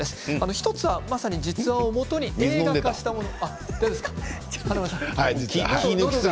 １つはまさに実話をもとに映画化したもの。